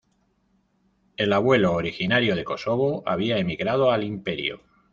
El abuelo, originario de Kosovo, había emigrado al imperio.